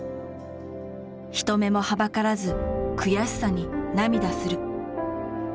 人目もはばからず悔しさに涙する。